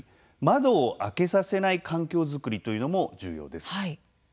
窓を開けさせない環境づくりというのも重要です。